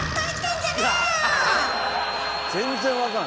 全然分からん。